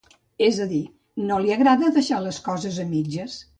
És a dir, no li agrada deixar les coses a mitges.